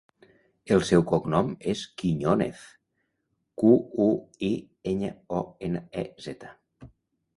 El seu cognom és Quiñonez: cu, u, i, enya, o, ena, e, zeta.